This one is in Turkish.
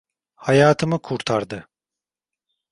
Hayatımı kurtardı.